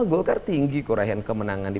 golkar tinggi kuraian kemenangan di